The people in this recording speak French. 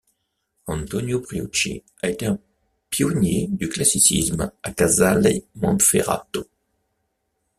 Antonio Brioschi a été un pionnier du classicisme à Casale Monferrato.